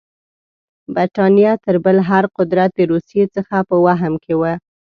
برټانیه تر بل هر قدرت د روسیې څخه په وهم کې وه.